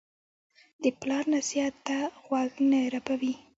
د پلار نصیحت ته غوږ نه رپوي.